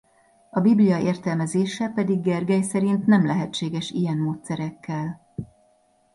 A Biblia értelmezése pedig Gergely szerint nem lehetséges ilyen módszerekkel.